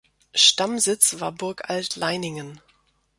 Stammsitz war Burg Altleiningen.